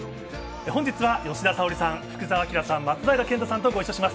本日は吉田沙保里さん、福澤朗さん、松平健太さんとご一緒します。